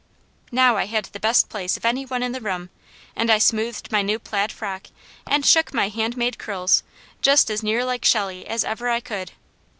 Now, I had the best place of any one in the room, and I smoothed my new plaid frock and shook my handmade curls just as near like Shelley as ever I could.